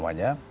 nah itu apa